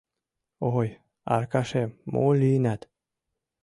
— Ой, Аркашем, мо лийынат?